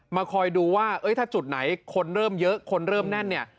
คอยดูว่าถ้าจุดไหนคนเริ่มเยอะคนเริ่มแน่นเนี่ย